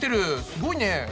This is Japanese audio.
すごいね。